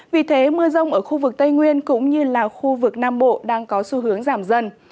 vì thế mưa rông ở khu vực tây nguyên cũng như là khu vực nam bộ đang có xu hướng giảm dần